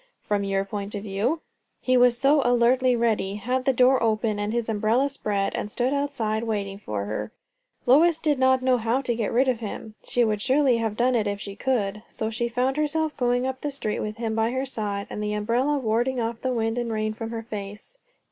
"From your point of view." He was so alertly ready, had the door open and his umbrella spread, and stood outside waiting for her, Lois did not know how to get rid of him. She would surely have done it if she could. So she found herself going up the street with him by her side, and the umbrella warding off the wind and rain from her face.